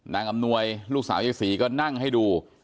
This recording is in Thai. อำนวยลูกสาวยายศรีก็นั่งให้ดู